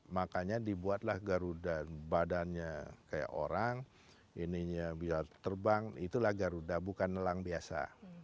makanya dibuatlah garuda badannya kayak orang ininya bisa terbang itulah garuda bukan nelang biasa